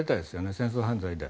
戦争犯罪で。